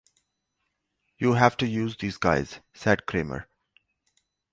"You have to use these guys," said Cramer.